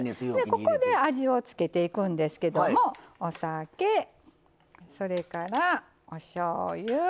ここで味を付けていくんですけどお酒、それから、おしょうゆ。